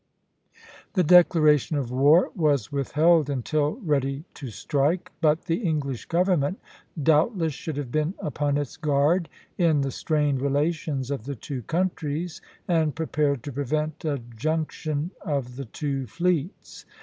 The declaration of war was withheld until ready to strike; but the English government, doubtless, should have been upon its guard in the strained relations of the two countries, and prepared to prevent a junction of the two fleets.